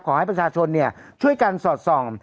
ขอให้ประชาชนช่วยกันสอดส่อง